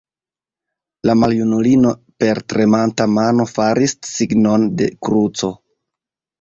La maljunulino per tremanta mano faris signon de kruco.